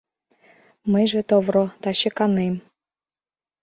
Мыйже, товро, таче канем.